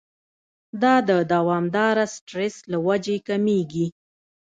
دا د دوامداره سټرېس له وجې کميږي